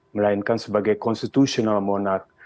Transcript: melainkan sebagai constitutional monarch